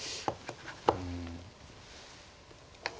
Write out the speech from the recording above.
うん。